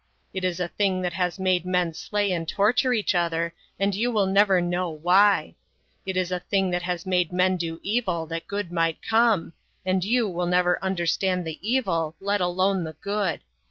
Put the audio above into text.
It is a thing that has made men slay and torture each other; and you will never know why. It is a thing that has made men do evil that good might come; and you will never understand the evil, let alone the good.